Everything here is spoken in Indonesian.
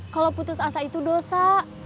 kalau putus asa itu dosa